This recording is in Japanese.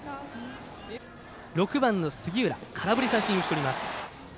６番、杉浦空振り三振に打ち取ります。